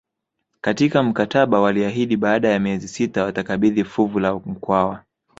Katika mkataba waliahidi baada ya miezi sita watakabidhi fuvu la Mkwawa